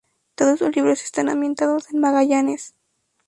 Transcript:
Todos sus libros están ambientados en Magallanes.